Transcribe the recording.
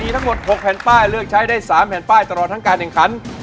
ทั้งหมด๖แผ่นป้ายเลือกใช้ได้๓แผ่นป้ายตลอดทั้งการแข่งขัน